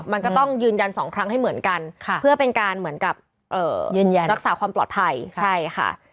มันก็ต้องยืนยันสองครั้งให้เหมือนกันเพื่อเป็นการเหมือนกับยืนยันรักษาความปลอดภัยใช่ค่ะ